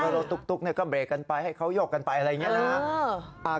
รถตุ๊กก็เบรกกันไปให้เขายกกันไปอะไรอย่างนี้นะครับ